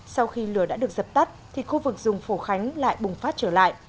sau khi lửa đã được dập tắt thì khu vực rừng phổ khánh lại bùng phát trở lại